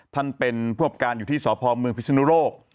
ท่านเป็นผู้อบการอยู่ที่สพพิษณุโลก